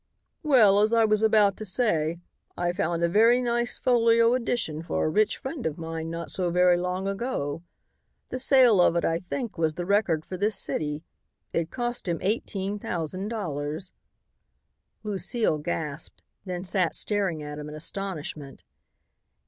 "Well, as I was about to say, I found a very nice folio edition for a rich friend of mine not so very long ago. The sale of it I think was the record for this city. It cost him eighteen thousand dollars." Lucile gasped, then sat staring at him in astonishment.